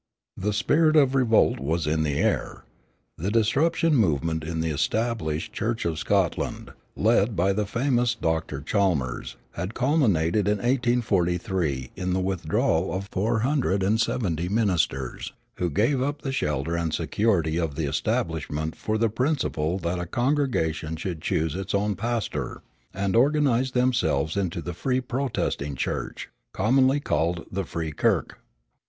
The spirit of revolt was in the air. The disruption movement in the Established Church of Scotland, led by the famous Dr. Chalmers, had culminated in 1843 in the withdrawal of four hundred and seventy ministers, who gave up the shelter and security of the Establishment for the principle that a congregation should choose its own pastor, and organized themselves into the Free Protesting Church, commonly called the Free Kirk.